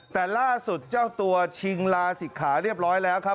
แต่ล่าสุดเจ้าตัวชิงลาศิกขาเรียบร้อยแล้วครับ